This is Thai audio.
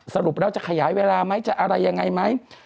สรุปแล้วจะขยายเวลาไหมจะอะไรยังไงไหม